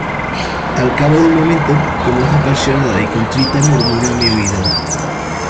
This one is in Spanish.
al cabo de un momento, con voz apasionada y contrita , murmuró a mi oído: